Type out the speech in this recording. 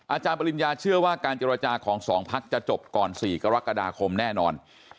อาจารย์ปริญญาเชื่อว่าการเจรจาของ๒พักจะจบก่อน๔กรกฎาคมแน่นอน